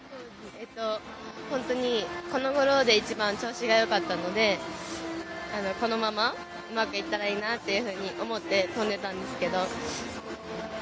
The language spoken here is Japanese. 本当にこのごろで一番調子が良かったのでこのままうまくいったらいいなというふうに思って飛んでいたんですけど。